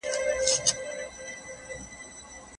د کارګرانو حقونه باید د کارخانو د خاوندانو لخوا ونه خوړل سي.